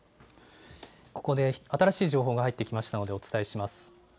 ここで新しい情報が入ってきましたのでお伝えします。